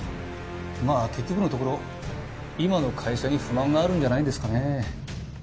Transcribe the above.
まあ結局のところ今の会社に不満があるんじゃないんですかねえ。